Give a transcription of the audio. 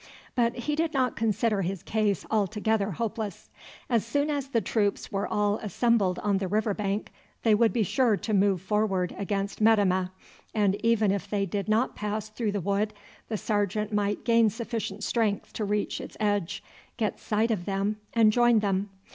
But he did not consider his case altogether hopeless. As soon as the troops were all assembled on the river bank they would be sure to move forward against Metemmeh; and even if they did not pass through the wood the sergeant might gain sufficient strength to reach its edge, get sight of them, and join them.